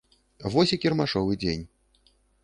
Вось і кірмашовы дзень.